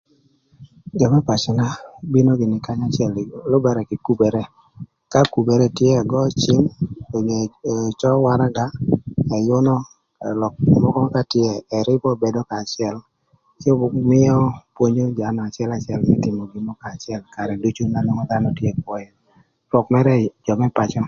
Jö më pacöna bino gïnï kanya acël na lübërë kï kubere, ka kubere tye ëgö cïm onyo ëcö waraga ëyünö lok mökö ka tye ërïbö bedo kanya acël cë mïö pwonyo jö nön acëlacël më tïmö gin mörö kanya acël karë ducu na nwongo dhanö tye kwö ïë rwök mërë jö më ï pacö.